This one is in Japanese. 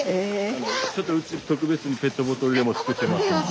ちょっとうち特別にペットボトルでもつくってます。